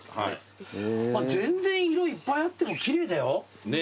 あっ全然色いっぱいあっても奇麗だよ。